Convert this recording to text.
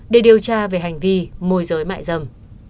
để điều tra về hành vi môi giới mại dâm